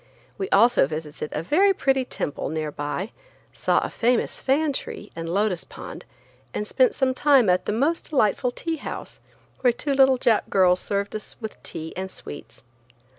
We also visited a very pretty temple near by, saw a famous fan tree and a lotus pond, and spent some time at a most delightful tea house, where two little "Jap" girls served us with tea and sweets.